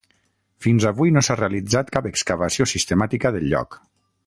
Fins avui no s'ha realitzat cap excavació sistemàtica del lloc.